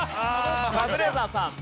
カズレーザーさん。